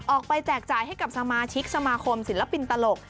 แจกจ่ายให้กับสมาชิกสมาคมศิลปินตลก